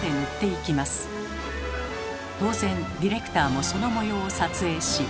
当然ディレクターもその模様を撮影し。